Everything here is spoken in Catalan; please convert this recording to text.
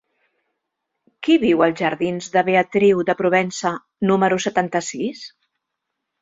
Qui viu als jardins de Beatriu de Provença número setanta-sis?